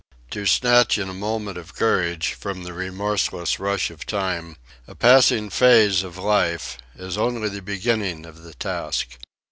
To snatch in a moment of courage, from the remorseless rush of time, a passing phase of life, is only the beginning of the task.